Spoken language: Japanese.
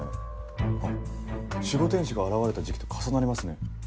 あっ守護天使が現れた時期と重なりますね。